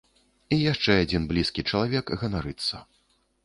І яшчэ адзін блізкі чалавек ганарыцца.